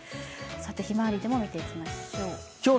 ひまわりでも見ていきましょう。